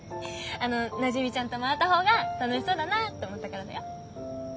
あのなじみちゃんと回った方が楽しそうだなと思ったからだよ。